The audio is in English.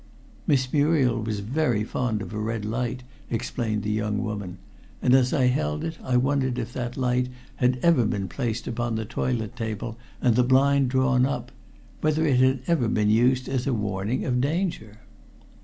"Miss Muriel was very fond of a red light," explained the young woman; and as I held it I wondered if that light had ever been placed upon the toilet table and the blind drawn up whether it had ever been used as a warning of danger?